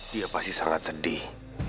dia pasti sangat sedih